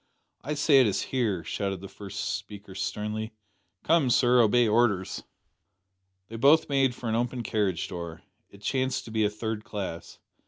"I say it is here," shouted the first speaker sternly. "Come, sir, obey orders!" They both made for an open carriage door. It chanced to be a third class.